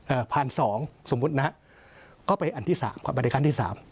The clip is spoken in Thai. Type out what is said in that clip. เอ่อผ่านสองสมมุตินะก็ไปอันที่สามบริการที่สาม